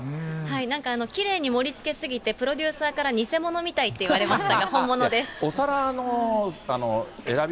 なんか、きれいに盛りつけすぎて、プロデューサーから偽物みたいって言われましたが、本物です。